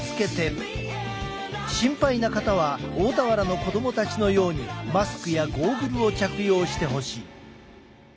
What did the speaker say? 心配な方は大田原の子供たちのようにマスクやゴーグルを着用してほしい。